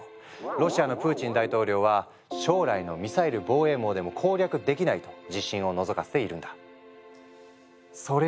ロシアのプーチン大統領は「将来のミサイル防衛網でも攻略できない」と自信をのぞかせているんだ。